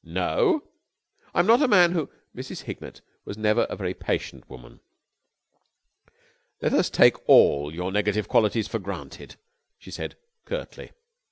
"No?" "I'm not a man who...." Mrs. Hignett was never a very patient woman. "Let us take all your negative qualities for granted," she said curtly.